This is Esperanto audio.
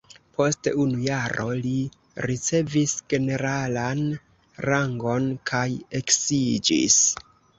Post unu jaro li ricevis generalan rangon kaj eksiĝis.